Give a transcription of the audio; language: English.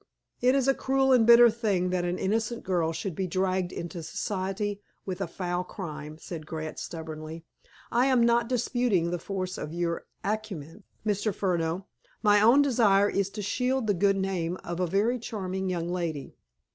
"It is a cruel and bitter thing that an innocent girl should be dragged into association with a foul crime," said Grant stubbornly. "I am not disputing the force of your acumen, Mr. Furneaux. My only desire is to shield the good name of a very charming young lady."